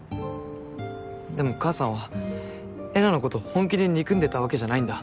でも母さんはえなのこと本気で憎んでたわけじゃないんだ。